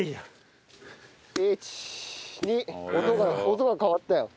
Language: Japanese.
音が変わったよ。